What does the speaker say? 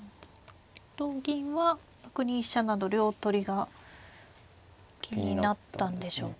同銀は６二飛車など両取りが気になったんでしょうか。